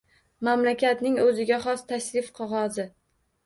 Mamlakatning o‘ziga xos tashrif qog‘ozi